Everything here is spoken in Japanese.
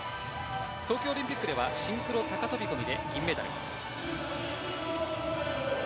東京オリンピックではシンクロ高飛込で銀メダル。